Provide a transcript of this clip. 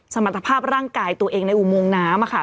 สมรรถภาพร่างกายตัวเองในอุโมงน้ำค่ะ